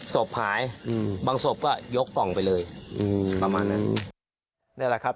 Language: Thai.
ศพหายอืมบางศพก็ยกกล่องไปเลยอืมประมาณนั้นนี่แหละครับ